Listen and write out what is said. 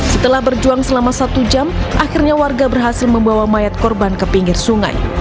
setelah berjuang selama satu jam akhirnya warga berhasil membawa mayat korban ke pinggir sungai